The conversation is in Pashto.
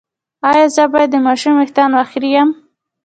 ایا زه باید د ماشوم ویښتان وخرییم؟